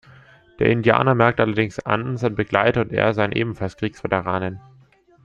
Der Indianer merkt allerdings an, sein Begleiter und er seien ebenfalls Kriegsveteranen.